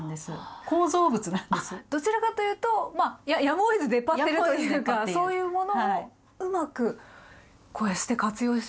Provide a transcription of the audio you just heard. どちらかというとまあやむをえず出っ張ってるというかそういうものをうまくこうして活用してるんですね。